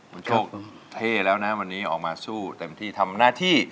คุณโชคเท่แล้วนะวันนี้ออกมาสู้เต็มที่ทำหน้าที่